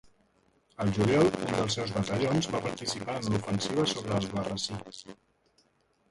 Al juliol un dels seus batallons va participar en l'ofensiva sobre Albarrasí.